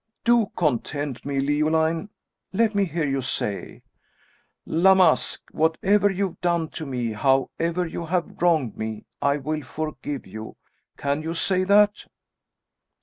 Do content me, Leoline let me hear you say; `La Masque, whatever you've done to me, however you have wronged me, I will forgive you!' Can you say that?"